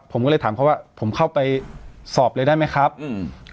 ผมก็เลยถามเขาว่าผมเข้าไปสอบเลยได้ไหมครับอืม